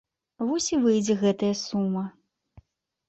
Вось і выйдзе гэтая сума.